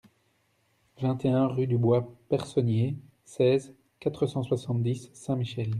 vingt et un rue du Bois Personnier, seize, quatre cent soixante-dix, Saint-Michel